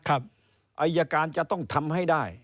อายการจะต้องทำให้ได้